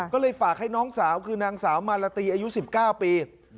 ก็เลยฝากให้น้องสาวคือนางสาวมาลาตีอายุ๑๙ปี